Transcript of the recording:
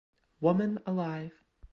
Woman Alive!